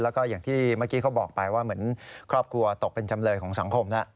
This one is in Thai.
แล้วก็อย่างที่เมื่อกี้เขาบอกไปว่าเหมือนครอบครัวตกเป็นจำเลยของสังคมแล้ว